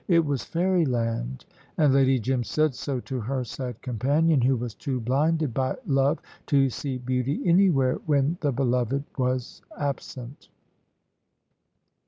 It was Fairyland, and Lady Jim said so to her sad companion, who was too blinded by love to see beauty anywhere when the beloved was absent.